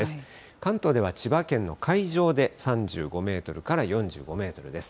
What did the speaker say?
関東では千葉県の海上で３５メートルから４５メートルです。